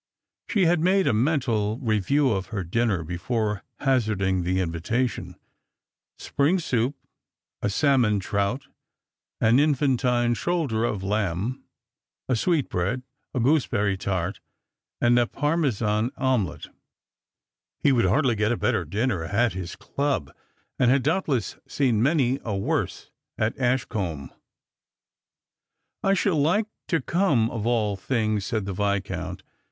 She had made a mental review of her dinner before hazarding the invitation; spring soup, a salmon trout, an infantine shoulder of lamb, a sweetbread, a gooseberry tart, and a par mesan omelette. He would hardly get a better dinner at hia club; and had doubtless seen many a worse at Ashcombe. "I should like to come of all things," said the Viscount.